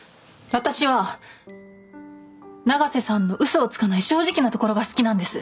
私は永瀬さんの嘘をつかない正直なところが好きなんです。